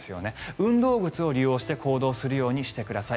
運動靴を利用して行動するようにしてください。